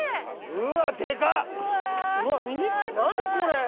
うわ見て何これ。